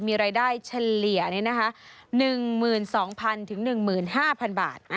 มีรายได้เฉลี่ย๑๒๐๐๐๑๕๐๐บาท